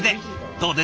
どうです？